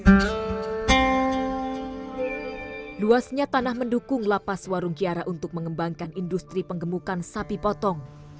pernah atau tidak tanah mendukung lapas warung kiara untuk mengembangkan industri penggemukan sapi potong